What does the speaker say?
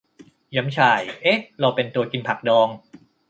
เกี๋ยมฉ่าย เอ๊ะ เราเป็นตัวกินผักดอง !